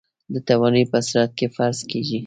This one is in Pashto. د توانايي په صورت کې فرض کېږي.